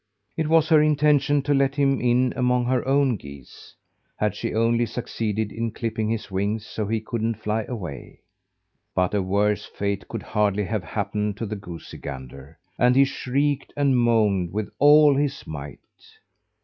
It was her intention to let him in among her own geese, had she only succeeded in clipping his wings so he couldn't fly away. But a worse fate could hardly have happened to the goosey gander, and he shrieked and moaned with all his might.